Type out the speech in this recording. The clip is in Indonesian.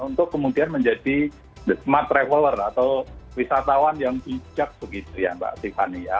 untuk kemudian menjadi the smart traveler atau wisatawan yang bijak begitu ya mbak tiffany ya